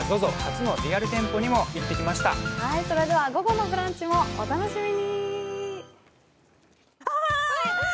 それでは午後の「ブランチ」もお楽しみに！